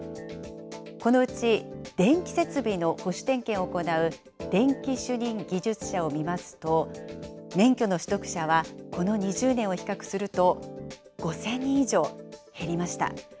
このうち、電気設備の保守点検を行う電気主任技術者を見ますと、免許の取得者はこの２０年を比較すると、５０００人以上、減りました。